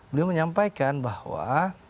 beliau menyampaikan bahwa